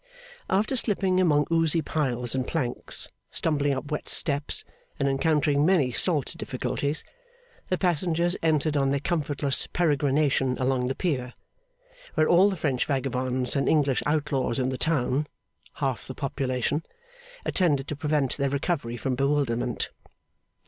After slipping among oozy piles and planks, stumbling up wet steps and encountering many salt difficulties, the passengers entered on their comfortless peregrination along the pier; where all the French vagabonds and English outlaws in the town (half the population) attended to prevent their recovery from bewilderment.